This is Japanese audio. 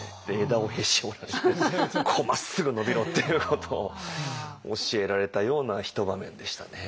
枝をへし折られてまっすぐ伸びろっていうことを教えられたような一場面でしたね。